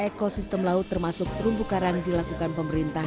termasuk terumbu karang dilakukan pemerintah termasuk terumbu karang dilakukan pemerintah